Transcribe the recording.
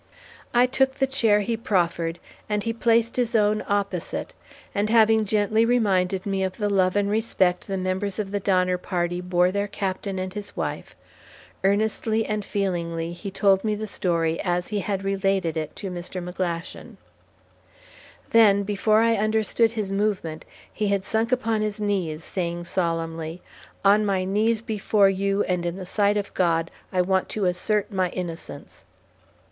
I took the chair he proffered, and he placed his own opposite and having gently reminded me of the love and respect the members of the Donner Party bore their captain and his wife, earnestly and feelingly, he told me the story as he had related it to Mr. McGlashan. Then, before I understood his movement, he had sunk upon his knees, saying solemnly, "On my knees before you, and in the sight of God, I want to assert my innocence."